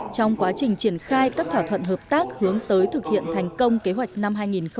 trong quá trình triển khai các thỏa thuận hợp tác hướng tới thực hiện thành công kế hoạch năm hai nghìn hai mươi